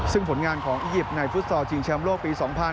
ซึ่งผลงานของอียิปต์ในฟุตสอร์จิงเชียมโลกปี๒๐๐๐